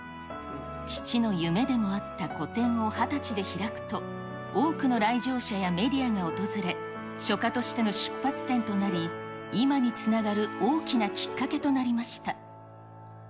父の夢でもあった個展を２０歳で開くと、多くの来場者やメディアが訪れ、書家としての出発点となり、今につながる大きなきっかけとなりました。